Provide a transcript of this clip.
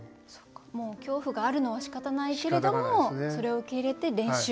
もう恐怖があるのはしかたないけれどもそれを受け入れて練習